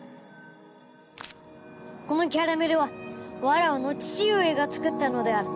このキャラメルはわらわの父上が作ったのである。